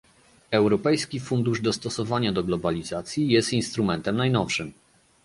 Europejski fundusz dostosowania do globalizacji jest instrumentem najnowszym